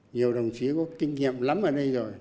nhiều đồng chí có kinh nghiệm lắm ở đây rồi